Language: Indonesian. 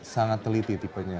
sangat teliti tipenya